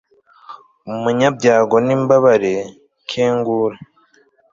umunyabyago n'imbabare, kingura